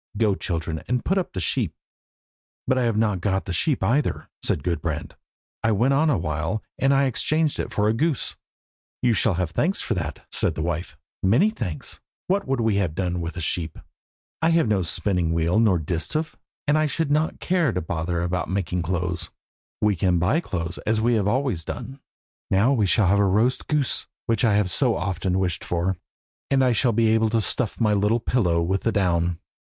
Go, children, and put up the sheep." "But I have not got the sheep either," said Gudbrand. "I went on a while, and then I exchanged it for a goose." "You shall have thanks for that," said the wife, "many thanks! What would we have done with a sheep? I have no spinning wheel nor distaff, and I should not care to bother about making clothes. We can buy clothes, as we have always done. Now we shall have roast goose, which I have so often wished for, and I shall be able to stuff my little pillow with the down.